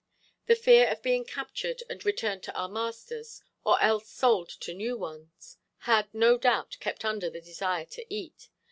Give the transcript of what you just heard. The fear of being captured and returned to our masters, or else sold to new ones, had, no doubt, kept under the desire to eat.